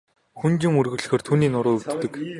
Хүнд юм өргөхлөөр түүний нуруу өвддөг.